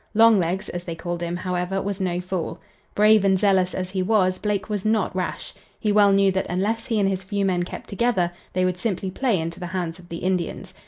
"Long Legs," as they called him, however, was no fool. Brave and zealous as he was, Blake was not rash. He well knew that unless he and his few men kept together they would simply play into the hands of the Indians.